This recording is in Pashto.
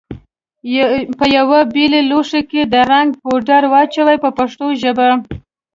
په یوه بېل لوښي کې د رنګ پوډر واچوئ په پښتو ژبه.